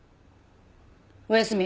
おやすみ。